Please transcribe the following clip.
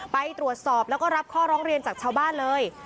ไปตรวจสอบแล้วก็รับข้อร้องเรียนจากชาวบ้านเลย